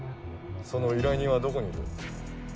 その依頼人はどこにいる？